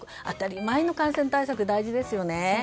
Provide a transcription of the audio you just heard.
当たり前の感染対策が大事ですよね。